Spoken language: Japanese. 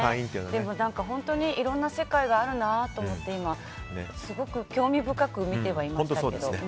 でも本当にいろんな世界があるなと思って今、すごく興味深く見てはいましたけど。